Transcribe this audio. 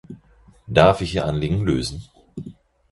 Darf ich Ihr Anliegen lösen?